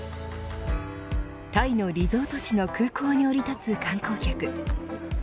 タイのリゾート地の空港に降り立つ観光客。